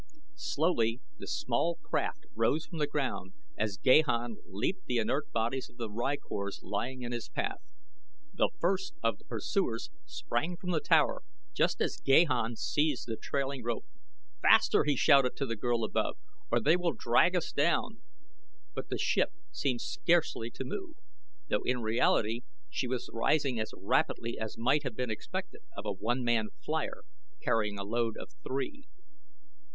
Slowly the small craft rose from the ground as Gahan leaped the inert bodies of the rykors lying in his path. The first of the pursuers sprang from the tower just as Gahan seized the trailing rope. "Faster!" he shouted to the girl above, "or they will drag us down!" But the ship seemed scarcely to move, though in reality she was rising as rapidly as might have been expected of a one man flier carrying a load of three.